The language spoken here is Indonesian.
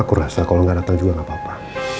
aku rasa kalau gak dateng juga gak apa apa